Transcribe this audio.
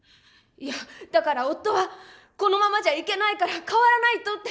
いやだから夫はこのままじゃいけないから変わらないとって。